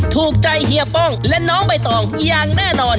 ถูกใจเฮียป้องและน้องใบตองอย่างแน่นอน